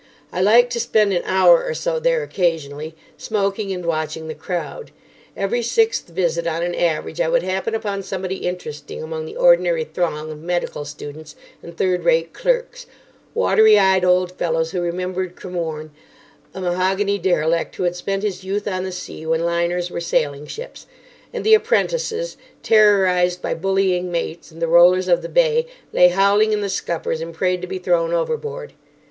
I liked to spend an hour or so there occasionally, smoking and watching the crowd. Every sixth visit on an average I would happen upon somebody interesting among the ordinary throng of medical students and third rate clerks—watery eyed old fellows who remembered Cremorne, a mahogany derelict who had spent his youth on the sea when liners were sailing ships, and the apprentices, terrorised by bullying mates and the rollers of the Bay, lay howling in the scuppers and prayed to be thrown overboard.